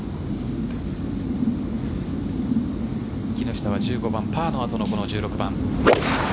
木下は１５番、パーのあとの１６番。